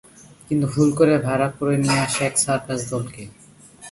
কিন্তু ভুল করে ভাড়া করে নিয়ে আসে এক সার্কাস দলকে।